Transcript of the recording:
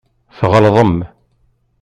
Tɣelḍem.